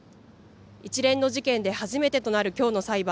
一連の事件で初めてとなるきょうの裁判。